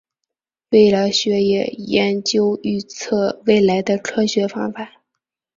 未来学也研究预测未来的科学方法。